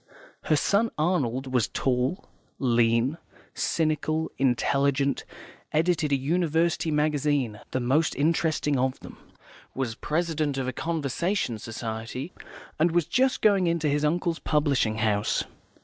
Her son Arnold was tall, lean, cynical, intelligent, edited a university magazine (the most interesting of them), was president of a Conversation Society, and was just going into his uncle's publishing house.